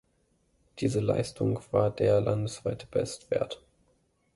Diese Leistung war der landesweite Bestwert.